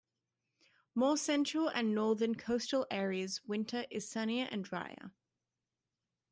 More Central and Northern Coastal areas winter is sunnier and drier.